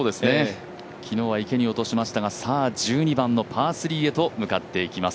昨日は池に落としましたが、１２番のパー３へと向かっていきます